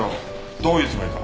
どういうつもりだ？